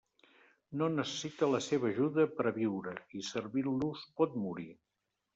No necessita la seva ajuda per a viure, i servint-los pot morir.